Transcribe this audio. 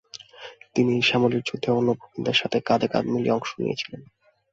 তিনি শামলির যুদ্ধে অন্য প্রবীণদের সাথে কাঁধে কাঁধ মিলিয়ে অংশ নিয়েছিলেন।